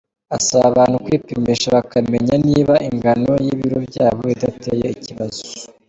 Asaba abantu kwipimisha bakamenya niba ingano y’ibiro byabo idateye ikibazo.